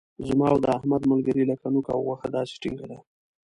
زما او د احمد ملګري لکه نوک او غوښه داسې ټینګه ده.